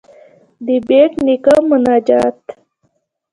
ددبېټ نيکه مناجات.